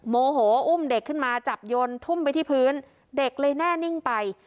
โมโหอุ้มเด็กขึ้นมาจับยนต์ทุ่มไปที่พื้นเด็กเลยแน่นิ่งไป